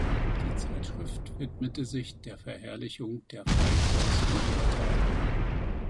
Die Zeitschrift widmete sich der Verherrlichung der Freikorps und ihrer Taten.